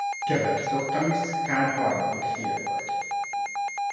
Kebek Toktamis kán harmadik fia volt.